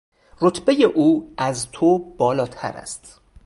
رتبهی او از تو بالاتر است.